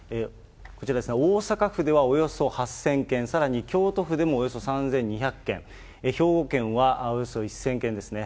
こちらですね、大阪府ではおよそ８０００軒、さらに京都府でもおよそ３２００軒、兵庫県はおよそ１０００軒ですね。